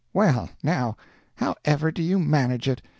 "Well, now, how ever do you manage it?